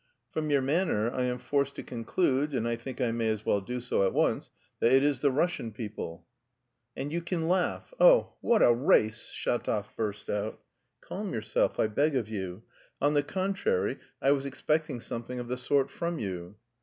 "From your manner I am forced to conclude, and I think I may as well do so at once, that it is the Russian people." "And you can laugh, oh, what a race!" Shatov burst out. "Calm yourself, I beg of you; on the contrary, I was expecting something of the sort from you."